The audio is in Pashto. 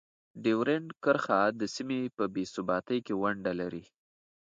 ډیورنډ کرښه د سیمې په بې ثباتۍ کې ونډه لري.